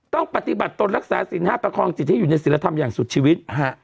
ต้องปฏิบัติตนรักษาสินห้าประคองจิตให้อยู่ในศิลธรรมอย่างสุดชีวิต